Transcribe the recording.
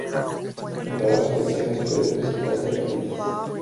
En raras ocasiones puede presentarse hepatitis.